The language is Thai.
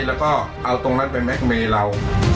แล้วก็เอาตรงนั้นไปแก๊กเมย์เรา